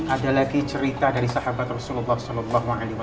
ada lagi cerita dari sahabat rasulullah saw